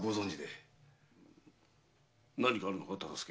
何かあるのか忠相。